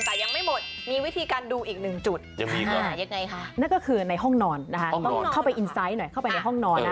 แต่ยังไม่หมดมีวิธีการดูอีกหนึ่งจุดยังมีก่อนยังไงค่ะนั่นก็คือในห้องนอนนะฮะเข้าไปอินไซต์หน่อยเข้าไปในห้องนอนนะ